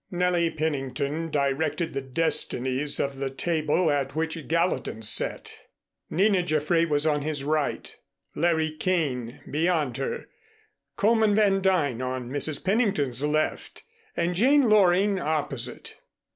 Nellie Pennington directed the destinies of the table at which Gallatin sat. Nina Jaffray was on his right, Larry Kane beyond her, Coleman Van Duyn on Mrs. Pennington's left and Jane Loring opposite.